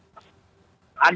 ada dua tempat